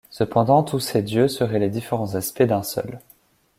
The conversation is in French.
Cependant tous ces dieux seraient les différents aspects d’un seul.